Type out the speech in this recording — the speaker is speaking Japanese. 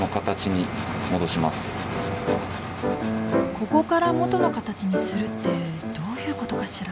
ここから元の形にするってどういうことかしら？